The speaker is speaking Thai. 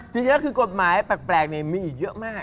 จริงแล้วคือกฎหมายแปลกมีอีกเยอะมาก